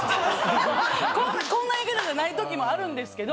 こんな言い方じゃないときもあるんですけど。